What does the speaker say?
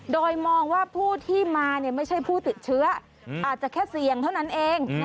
โดยมองว่าผู้ที่มาไม่ใช่ผู้ติดเชื้ออาจจะแค่เสี่ยงเท่านั้นเอง